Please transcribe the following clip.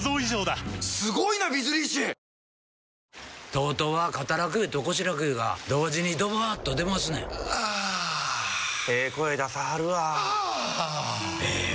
ＴＯＴＯは肩楽湯と腰楽湯が同時にドバーッと出ますねんあええ声出さはるわあええ